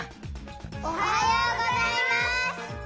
おはようございます！